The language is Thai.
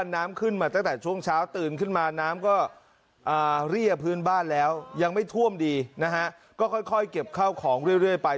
น้ำก็เรียบพื้นบ้านแล้วยังไม่ท่วมดีนะฮะก็ค่อยค่อยเก็บเข้าของเรื่อยเรื่อยไป